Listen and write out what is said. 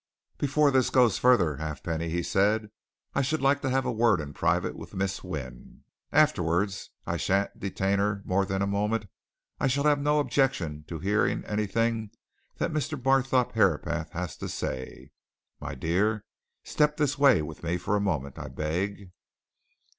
"Before this goes further, Halfpenny," he said, "I should like to have a word in private with Miss Wynne. Afterwards and I shan't detain her more than a moment I shall have no objection to hearing anything that Mr. Barthorpe Herapath has to say. My dear! step this way with me a moment, I beg."